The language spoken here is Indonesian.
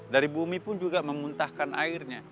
dari bumi pun juga memuntahkan airnya